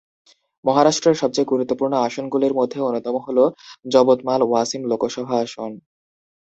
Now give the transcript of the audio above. মহারাষ্ট্রের সবচেয়ে গুরুত্বপূর্ণ আসনগুলির মধ্যে অন্যতম হল যবতমাল-ওয়াসিম লোকসভা আসন।